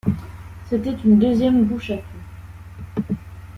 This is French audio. C’était une deuxième bouche à feu.